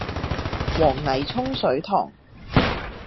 黃泥涌水塘